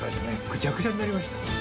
ぐちゃぐちゃになりました。